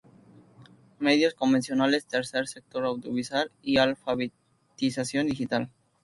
Medios convencionales, Tercer Sector Audiovisual y alfabetización digital".